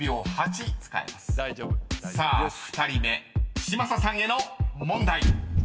［さあ２人目嶋佐さんへの問題］